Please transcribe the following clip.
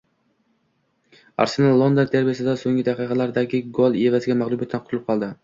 “Arsenal” London derbisida so‘nggi daqiqalardagi gol evaziga mag‘lubiyatdan qutulib qoldi